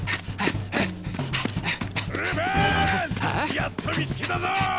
やっと見つけたぞ！